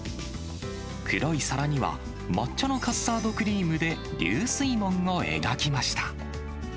黒い皿には、抹茶のカスタードクリームで流水紋を描きました。